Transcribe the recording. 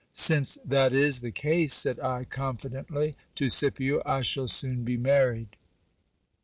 Since that is the case, said I confidently to Scipio, I shall soon be married.